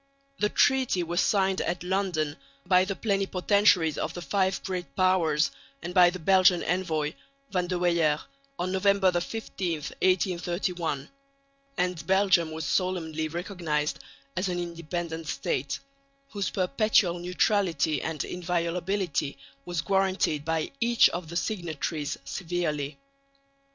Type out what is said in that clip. The treaty was signed at London by the plenipotentiaries of the Five Great Powers and by the Belgian envoy, Van de Weyer, on November 15, 1831; and Belgium was solemnly recognised as an independent State, whose perpetual neutrality and inviolability was guaranteed by each of the signatories severally.